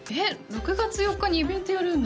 ６月４日にイベントやるんだ？